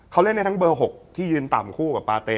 เขาเล่นได้ทั้งเบอร์๖ที่ยืนต่ำคู่กับปาเต